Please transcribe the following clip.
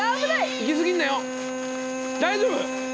行き過ぎんなよ大丈夫？